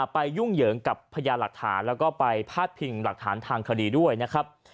ยุ่งเหยิงกับพญาหลักฐานแล้วก็ไปพาดพิงหลักฐานทางคดีด้วยนะครับ